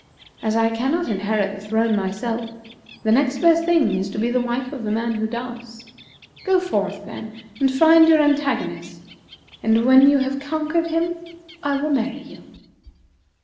As I cannot inherit the throne myself, the next best thing is to be the wife of the man who does. Go forth, then, and find your antagonist, and when you have conquered him, I will marry you."